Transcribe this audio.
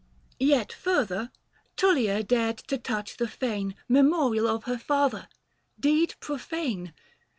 Yet further, Tullia dared to touch the fane 740 Memorial of her father — deed profane